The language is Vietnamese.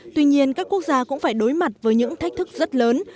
tuy nhiên các quốc gia cũng phải đối mặt với những thách thức rất lớn